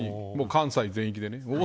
関西全域でね。